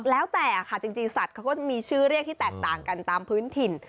แล้วแต่ค่ะจริงสัตว์เขาก็จะมีชื่อเรียกที่แตกต่างกันตามพื้นถิ่น